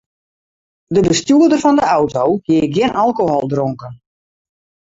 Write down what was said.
De bestjoerder fan de auto hie gjin alkohol dronken.